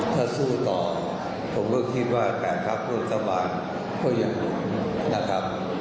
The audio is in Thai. ถ้าสู้ต่อผมแค่คิดว่าการทัพกลดตะวันก็ยังหนุน